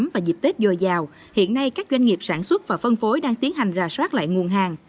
và dịp tết dồi dào hiện nay các doanh nghiệp sản xuất và phân phối đang tiến hành rà soát lại nguồn hàng